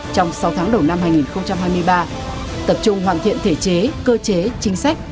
trong sáu tháng đầu năm hai nghìn hai mươi ba tập trung hoàn thiện thể chế cơ chế chính sách